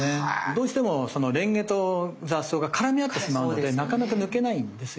どうしてもそのレンゲと雑草が絡み合ってしまうのでなかなか抜けないんですよ。